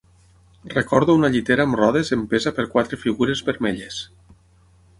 Recordo una llitera amb rodes empesa per quatre figures vermelles.